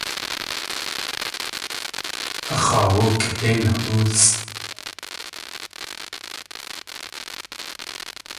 A x̲aawú kʼidéin na.óosʼ!